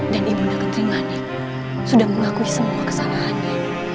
dan ibu nera ketrimanik sudah mengakui semua kesalahannya